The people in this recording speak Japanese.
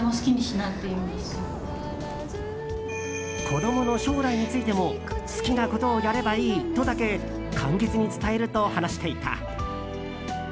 子供の将来についても好きなことをやればいいとだけ簡潔に伝えると話していた。